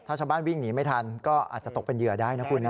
ถ้าชาวบ้านวิ่งหนีไม่ทันก็อาจจะตกเป็นเหยื่อได้นะคุณนะ